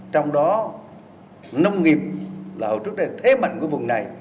trong đó nông nghiệp là hầu trước đây là thế mạnh của vùng này